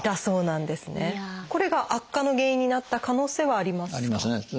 これが悪化の原因になった可能性はありますか？